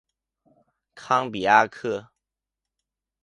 康比阿克。